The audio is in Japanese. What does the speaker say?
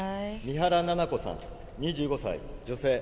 三原奈々子さん２５歳女性。